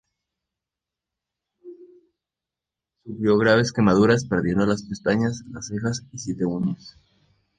Sufrió graves quemaduras, perdiendo las pestañas, las cejas y siete uñas.